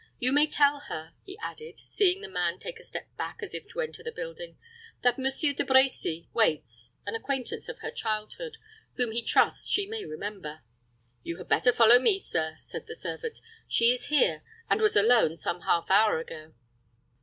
You may tell her," he added, seeing the man take a step back as if to enter the building, "that Monsieur De Brecy waits an acquaintance of her childhood, whom he trusts she may remember." "You had better follow me, sir," said the servant. "She is here, and was alone some half hour ago."